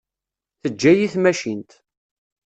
Teǧǧa-yi tmacint.